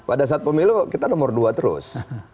pada saat pemilu kita nomor dua terus